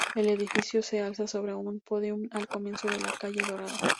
El edificio se alza sobre un pódium al comienzo de la calle Dorado.